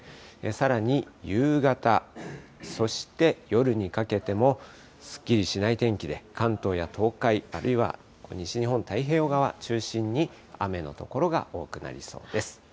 さらに夕方、そして夜にかけても、すっきりしない天気で関東や東海、あるいは西日本、太平洋側中心に雨の所が多くなりそうです。